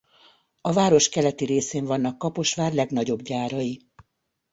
A város keleti részén vannak Kaposvár legnagyobb gyárai.